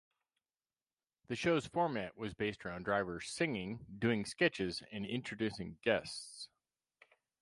The show's format was based around Driver singing, doing sketches and introducing guests.